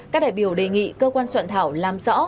các đại biểu đề nghị cơ quan soạn thảo làm rõ